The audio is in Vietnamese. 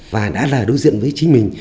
và đã là đối diện với chính mình